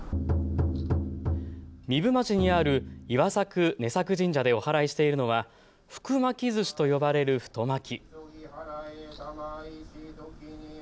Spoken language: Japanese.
壬生町にある磐裂根裂神社でおはらいしているのは福巻寿司と呼ばれる太巻き。